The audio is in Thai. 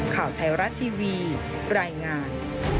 ข่าวไทยรัฐทีวีรายงาน